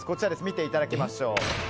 見ていただきましょう。